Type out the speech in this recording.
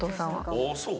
ああそう？